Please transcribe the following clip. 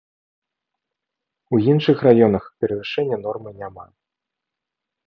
У іншых раёнах перавышэння нормы няма.